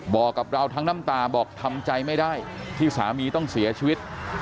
บอกกับเราทั้งน้ำตาบอกทำใจไม่ได้ที่สามีต้องเสียชีวิต